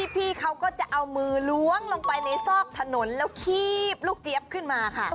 พี่เขาก็จะเอามือล้วงลงไปในซอกถนนแล้วคีบลูกเจี๊ยบขึ้นมาค่ะ